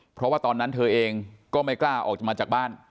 เพราะว่าตอนนั้นเธอเองก็ไม่กล้าออกมาจากบ้าน